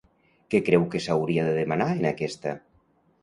Què creu que s'hauria de demanar en aquesta?